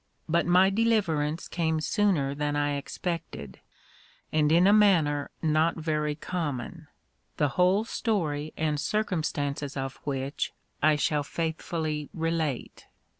But my deliverance came sooner than I expected, and in a manner not very common: the whole story and circumstances of which I shall faithfully relate.